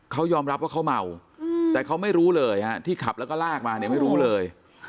เขายอมรับว่าเขาเมาแต่เขาไม่รู้เลยฮะที่ขับแล้วก็ลากมาเนี่ยไม่รู้เลย